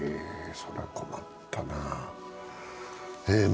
それは困ったな。